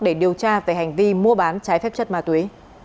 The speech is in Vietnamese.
để điều tra về hành vi mua bán trái phép chất ma túy